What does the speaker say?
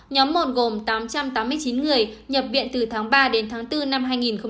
nhóm một gồm tám trăm tám mươi chín người nhập viện từ tháng ba đến tháng bốn năm hai nghìn một mươi chín